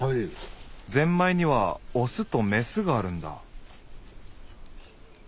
ぜんまいにはオスとメスがあるんだ。